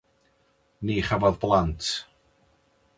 Nid chafodd blant.